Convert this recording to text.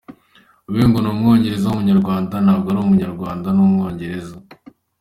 We ngo n’Umwongereza w’Umunyarwanda ntabwo ari Umunyarwanda w’Umwongereza.